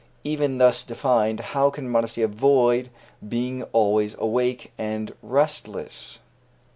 Even thus defined, how can modesty avoid being always awake and restless?